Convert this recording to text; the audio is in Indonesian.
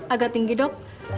agak tinggi dok